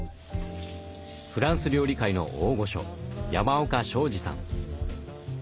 フランス料理界の大御所山岡昌治さん。